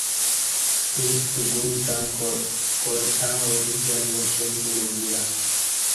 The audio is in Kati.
ییں ستہ گوع تں کار ستݩع اجیک گنوا سن پڑوک بو لہ